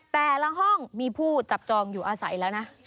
แต่ละห้องมีผู้จับจองอยู่อาศัยแล้วนะ